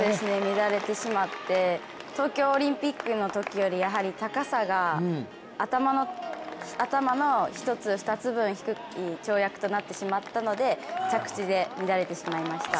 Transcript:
乱れてしまって東京オリンピックのときより高さが頭の１つ、２つ分低い跳躍となってしまったので着地で乱れてしまいました。